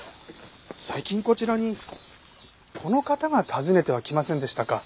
最近こちらにこの方が訪ねては来ませんでしたか？